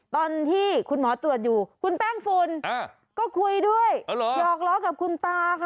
ตอนที่คุณหมอตรวจอยู่คุณแป้งฝุ่นก็คุยด้วยหยอกล้อกับคุณตาค่ะ